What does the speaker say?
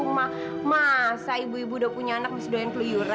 mama tuh kangen